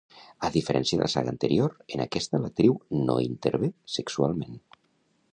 A diferències de la saga anterior, en aquesta, l'actriu no intervé sexualment.